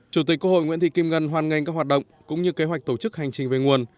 chủ tịch quốc hội nguyễn thị kim ngân hoan nghênh các hoạt động cũng như kế hoạch tổ chức hành trình về nguồn